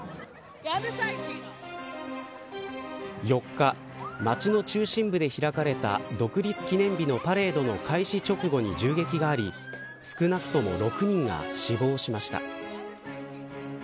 ４日、街の中心部で開かれた独立記念日のパレードの開始直後に銃撃があり少なくとも６人が死亡しました。